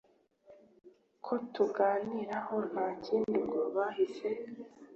ko tuganiraho ntakindi ubwo bahise